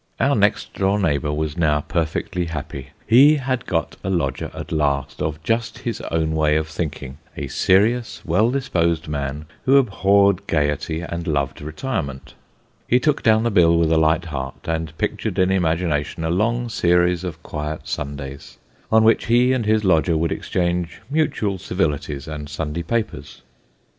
Our next door neighbour was now perfectly happy. He had got a lodger at last, of just his own way of thinking a serious, well disposed man, who abhorred gaiety, and loved retirement. He took down the bill with a light heart, and pictured in imagination a long series of quiet Sundays, on which he and his lodger would exchange mutual civilities and Sunday papers.